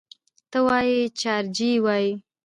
ته وا یو جارچي وايي: